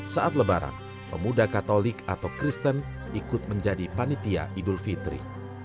saat lebaran pemuda katolik atau kristen ikut menjadi panitia idul fitri